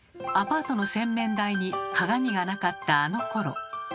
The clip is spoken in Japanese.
アパートの洗面台に鏡がなかったあのころ。